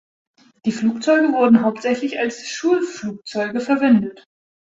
Die Flugzeuge wurden hauptsächlich als Schulflugzeuge verwendet.